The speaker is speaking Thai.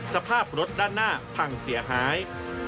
สภาพรถด้านหน้าพังเสียหาย